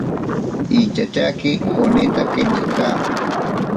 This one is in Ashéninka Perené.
Inchatyake onintake nija.